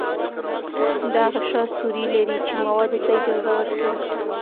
دا غشا سوري لري چې موادو ته اجازه ورکوي.